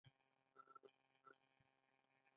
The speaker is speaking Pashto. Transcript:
دا فرصت د هر چا لپاره دی، که شاعر وي که زمزمه کوونکی.